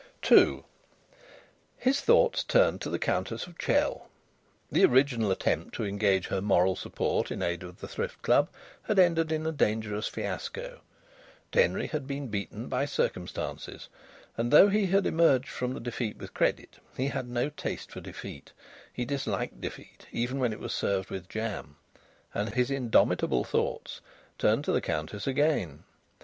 II His thoughts turned to the Countess of Chell. The original attempt to engage her moral support in aid of the Thrift Club had ended in a dangerous fiasco. Denry had been beaten by circumstances. And though he had emerged from the defeat with credit, he had no taste for defeat. He disliked defeat even when it was served with jam. And his indomitable thoughts turned to the Countess again.